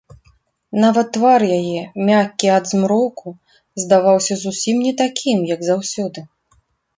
Нават твар яе, мяккі ад змроку, здаваўся зусім не такім, як заўсёды.